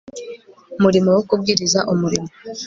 murimo wo kubwiriza Umurimo